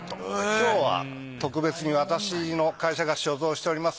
今日は特別に私の会社が所蔵しております